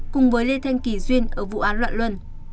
cùng với lê thanh kỳ duyên ở vụ án loạn luân